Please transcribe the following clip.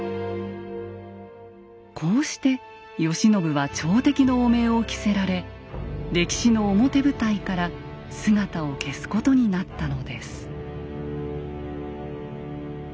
こうして慶喜は朝敵の汚名を着せられ歴史の表舞台から姿を消すことになったのです。